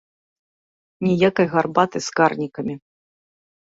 Ніякай гарбаты з карнікамі!